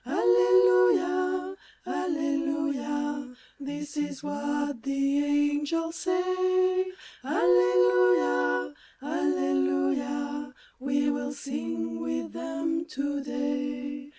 Alleluia, alleluia, this is what the angels say : Alleluia, alleluia, we will sing with them to day.